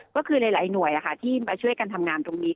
ก็คือหลายหน่วยที่มาช่วยกันทำงานตรงนี้